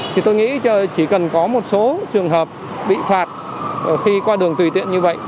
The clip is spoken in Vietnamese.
thì tôi nghĩ chỉ cần có một số trường hợp bị phạt khi qua đường tùy tiện như vậy